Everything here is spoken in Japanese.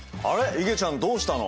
いげちゃんどうしたの？